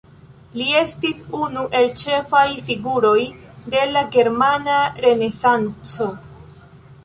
Li estis unu el ĉefaj figuroj de la Germana Renesanco.